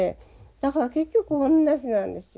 だから結局おんなじなんですよ。